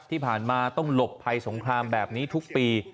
ที่ผ่านมาต้องหลบภัยสงครามแบบนี้ทุกปี